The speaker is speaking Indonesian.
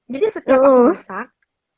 jadi setiap aku masak